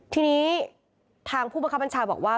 ทีนี้ทางผู้บังคับบัญชาบอกว่า